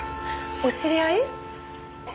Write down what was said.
お知り合い？